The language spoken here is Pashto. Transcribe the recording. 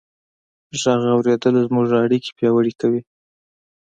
غږ اورېدل زموږ اړیکې پیاوړې کوي.